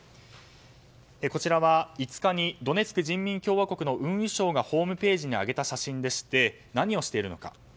これは５日にドネツク人民共和国の運輸省がホームページに上げた写真でして何をしているのか。